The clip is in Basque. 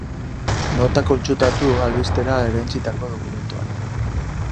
Notak kontsultatu albistera erantsitako dokumentuan.